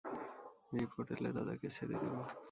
Report এলে দাদাকে ছেড়ে দিব।